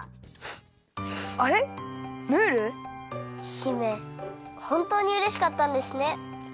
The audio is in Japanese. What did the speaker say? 姫ほんとうにうれしかったんですね！